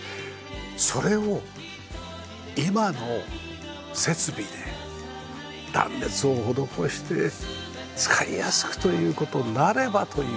それを今の設備で断熱を施して使いやすくという事になればという。